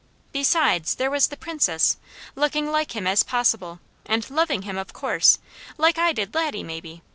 Besides, there was the Princess, looking like him as possible, and loving him of course, like I did Laddie, maybe.